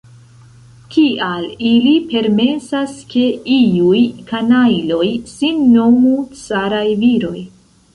Kial ili permesas, ke iuj kanajloj sin nomu caraj viroj?